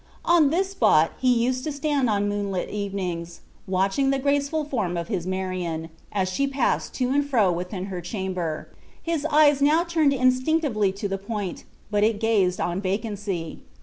On this spot he used to stand on moonlight evenings, watching the graceful form of his Marion, as she passed to and fro within her chamber. His eyes now turned instinctively to the point, but it gazed on vacancy.